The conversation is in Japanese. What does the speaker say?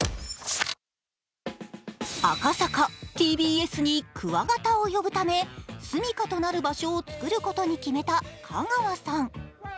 赤坂ＴＢＳにクワガタを呼ぶため住みかとなる場所を作ることを決めた香川さん。